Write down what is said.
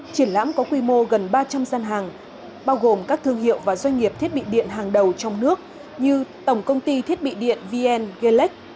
triển lãm có quy mô gần ba trăm linh gian hàng bao gồm các thương hiệu và doanh nghiệp thiết bị điện hàng đầu trong nước như tổng công ty thiết bị điện vnec